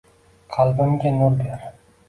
Qalbimga nur ber